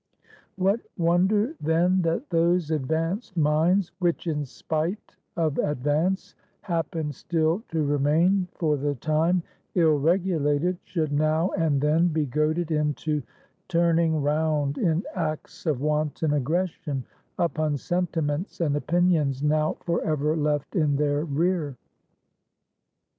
What wonder, then, that those advanced minds, which in spite of advance, happen still to remain, for the time, ill regulated, should now and then be goaded into turning round in acts of wanton aggression upon sentiments and opinions now forever left in their rear.